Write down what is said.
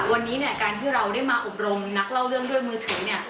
วันนี้เนี่ยการที่เราได้มาอบรมนักเล่าเรื่องด้วยมือถือเนี่ย